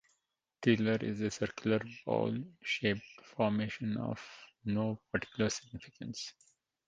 Theiler is a circular, bowl-shaped formation of no particular significance.